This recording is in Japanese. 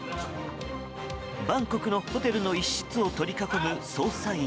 バンコクのホテルの一室を取り囲む捜査員。